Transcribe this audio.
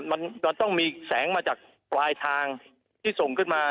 มันจะต้องมีแสงมาจากปลายทางที่ส่งขึ้นมา